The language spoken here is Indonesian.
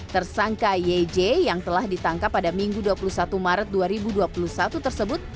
tersangka yj yang telah ditangkap pada minggu dua puluh satu maret dua ribu dua puluh satu tersebut